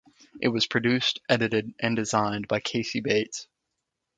It was produced, edited, and designed by Casey Bates.